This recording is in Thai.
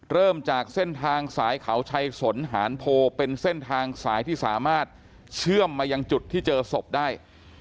เริ่มจากเส้นทางสายเขาชัยสนหานโพเป็นเส้นทางสายที่สามารถเชื่อมมายังจุดที่เจอศพได้